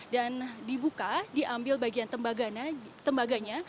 dan dibuka diambil bagian tembaganya